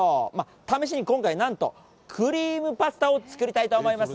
試しに今回、なんとクリームパスタを作りたいと思います。